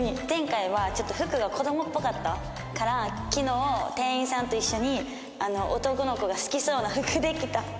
前回はちょっと服が子供っぽかったから昨日店員さんと一緒に男の子が好きそうな服で来た。